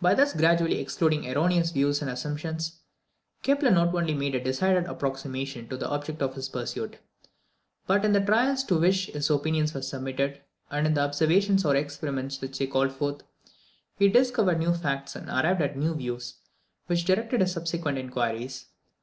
By thus gradually excluding erroneous views and assumptions, Kepler not only made a decided approximation to the object of his pursuit, but in the trials to which his opinions were submitted, and in the observations or experiments which they called forth, he discovered new facts and arrived at new views which directed his subsequent inquiries.